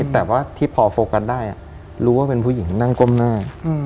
แต่ว่าที่พอโฟกัสได้รู้ว่าเป็นผู้หญิงนั่งก้มหน้า